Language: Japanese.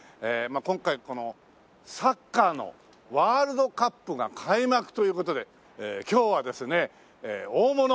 今回このサッカーのワールドカップが開幕という事で今日はですね大物！